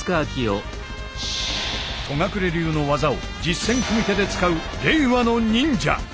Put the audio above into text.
戸隠流の技を実戦組手で使う令和の忍者。